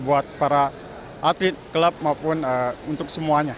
buat para atlet klub maupun untuk semuanya